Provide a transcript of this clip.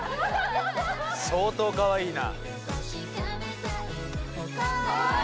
相当かわいいな。